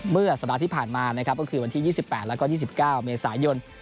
เมื่อสัปดาห์ที่ผ่านมานะครับก็คือวันที่๒๘แล้วก็๒๙เมษายน